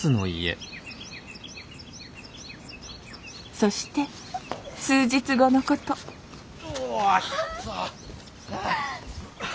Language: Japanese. そして数日後のことおっと。